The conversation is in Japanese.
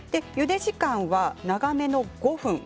ゆで時間は長めの５分。